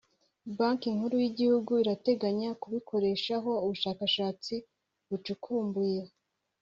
banki nkuru y'igihugu irateganya kubikoreshaho ubushakashatsi bucukumbuye.